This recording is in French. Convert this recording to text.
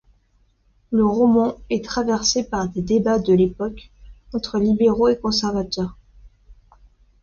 Le roman est traversé par les débats de l'époque, entre libéraux et conservateurs.